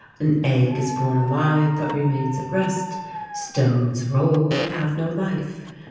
An egg is born alive but remains at rest. Stones roll but have no life.